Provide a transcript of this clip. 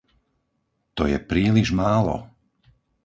To je príliš málo!